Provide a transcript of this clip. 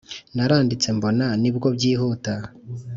Naranditse mbona nibwo byihuta